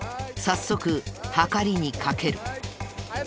早速はかりにかける。